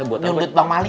ya buat bang mali